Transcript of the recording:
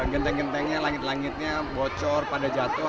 genteng gentengnya langit langitnya bocor pada jatuh